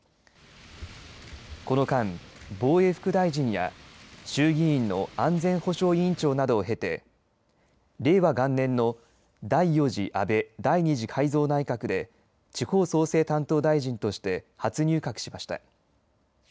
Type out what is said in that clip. この間防衛副大臣や衆議院の安全保障委員長などを経て令和元年の第４次安倍第２次改造内閣で地方創生担当大臣として初入閣しました。